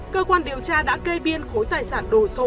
cơ quan điều tra đã kê biên khối tài sản đồ sộ